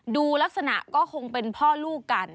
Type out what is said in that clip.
ดูลักษณะก็คงเป็นพ่อลูกกัน